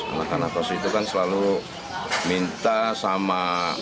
anak anak kos itu kan selalu minta sama